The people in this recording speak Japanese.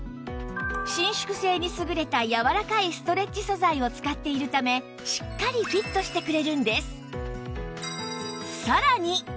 伸縮性に優れたやわらかいストレッチ素材を使っているためしっかりフィットしてくれるんです